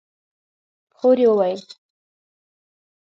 خور يې وويل: